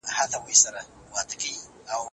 کروندګر په کليو کي اوسيږي.